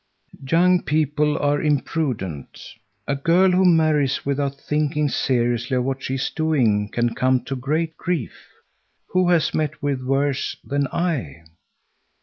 "Young people are imprudent. A girl who marries without thinking seriously of what she is doing can come to great grief. Who has met with worse than I?"